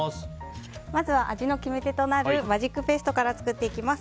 まずは味の決め手となるマジックペーストから作っていきます。